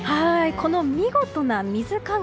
この見事な水鏡。